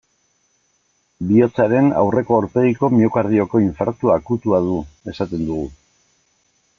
Bihotzaren aurreko aurpegiko miokardioko infartu akutua du, esaten dugu.